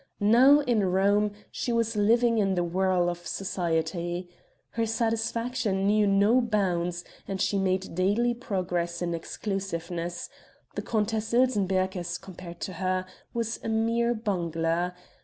Now, in Rome, she was living in the whirl of society. Her satisfaction knew no bounds, and she made daily progress in exclusiveness; the Countess Ilsenbergh, as compared to her, was a mere bungler.